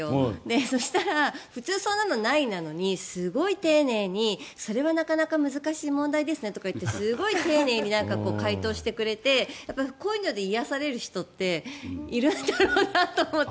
そしたら、普通そんなのないなのにすごい丁寧にそれはなかなか難しい問題ですねとかってすごい丁寧に回答してくれてこういうので癒やされる人っているんだろうなと思って。